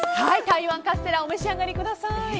台湾カステラお召し上がりください。